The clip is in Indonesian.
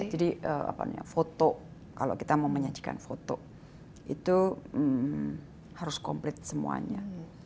jadi foto kalau kita mau menyajikan foto itu harus komplit semuanya